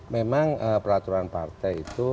memang peraturan partai itu